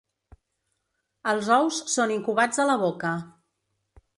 Els ous són incubats a la boca.